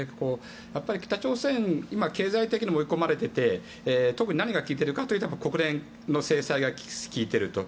北朝鮮、経済的に追い込まれていて何が効いているかと言ったら国連の制裁が効いていると。